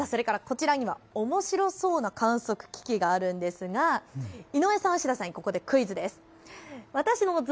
それからこちらには面白そうな観測機器があるんですが井上さん、牛田さんにクイズです。